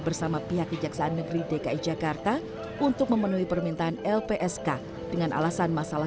bersama pihak kejaksaan negeri dki jakarta untuk memenuhi permintaan lpsk dengan alasan masalah